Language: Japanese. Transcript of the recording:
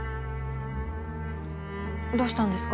どうしたんですか？